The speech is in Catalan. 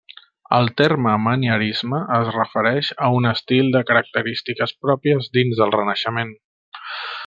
El terme manierisme es refereix a un estil de característiques pròpies dins del Renaixement.